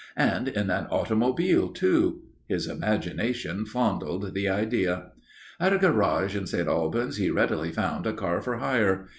And in an automobile, too! His imagination fondled the idea. At a garage in St. Albans he readily found a car for hire.